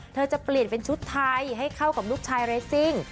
จะเปลี่ยนเป็นชุดไทยให้เข้ากับลูกชายเรสซิ่ง